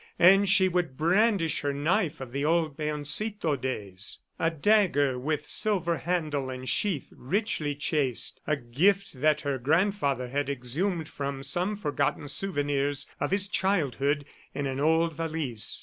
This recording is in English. ... And she would brandish her knife of the old Peoncito days a dagger with silver handle and sheath richly chased, a gift that her grandfather had exhumed from some forgotten souvenirs of his childhood in an old valise.